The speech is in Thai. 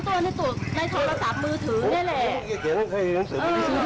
โอ้โฮใจ